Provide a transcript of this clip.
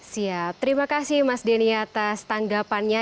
siap terima kasih mas denny atas tanggapannya